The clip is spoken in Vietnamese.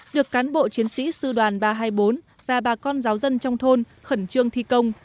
được cán bộ chiến sĩ sư đoàn ba trăm hai mươi bốn và bà con giáo dân trong thôn khẩn trương thi công